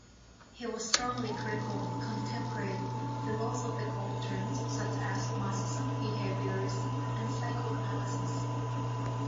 He was strongly critical of contemporary philosophical trends such as Marxism, Behaviorism and Psychoanalysis.